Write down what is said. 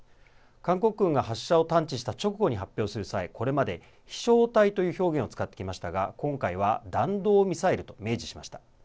韓国軍が発射を探知した直後に発表する際、これまで飛しょう体という表現を使っていましたが、今回は弾道ミサイルと明示しました。